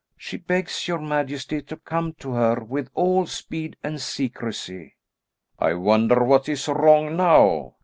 She begs your majesty to come to her with all speed and secrecy." "I wonder what is wrong now?"